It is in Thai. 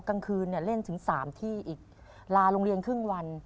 กลางคืนเนี่ยเล่นถึง๓ที่อีกลาโรงเรียนครึ่งวัน